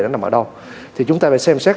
nó nằm ở đâu thì chúng ta phải xem xét